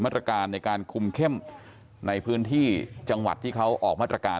ตรการในการคุมเข้มในพื้นที่จังหวัดที่เขาออกมาตรการ